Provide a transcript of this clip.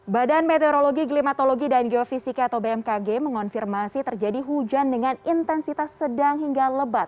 badan meteorologi klimatologi dan geofisika atau bmkg mengonfirmasi terjadi hujan dengan intensitas sedang hingga lebat